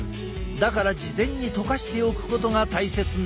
だから事前にとかしておくことが大切なのだ。